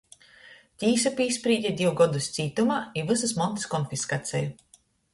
Tīsa pīsprīde div godus cītumā i vysys montys konfiskaceju.